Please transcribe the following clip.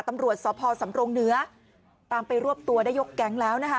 ตำรวจสพสำรงเหนือตามไปรวบตัวได้ยกแก๊งแล้วนะคะ